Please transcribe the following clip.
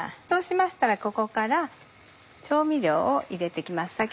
そうしましたらここから調味料を入れて行きます。